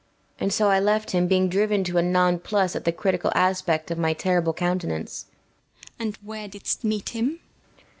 and so I left him, being driven to a non plus at the critical aspect of my terrible countenance. BELLAMIRA. And where didst meet him?